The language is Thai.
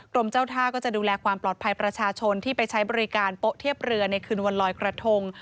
กรมเจ้าท่าก็จะดูแลความปลอดภัยประชาชนที่ไปใช้บริการโป๊เทียบเรือในคืนวันลอยกระทง